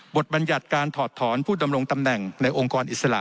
บัญญัติการถอดถอนผู้ดำรงตำแหน่งในองค์กรอิสระ